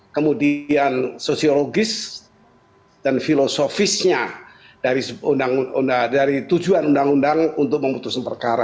kemudian sosiologis dan filosofisnya dari tujuan undang undang untuk memutuskan perkara